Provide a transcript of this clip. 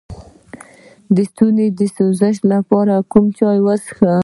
د ستوني د سوزش لپاره کوم چای وڅښم؟